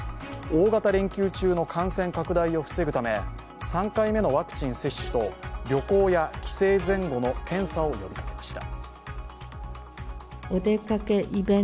大型連休中の感染拡大を防ぐため３回目のワクチン接種と、旅行や帰省前後の検査を呼びかけました。